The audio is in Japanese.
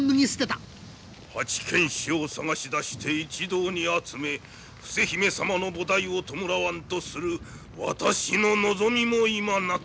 八犬士を捜し出して一同に集め伏姫様の菩提を弔わんとする私の望みも今なった。